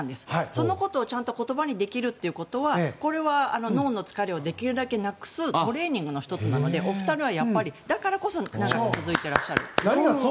そのことを言葉にできるということはこれは脳の疲れをできるだけなくすトレーニングの１つなのでお二人はやっぱり、だからこそ長く続いていらっしゃる。